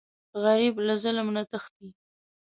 غریب له ظلم نه تښتي